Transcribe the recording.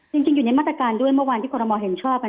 จริงอยู่ในมาตรการด้วยเมื่อวานที่คอรมอลเห็นชอบ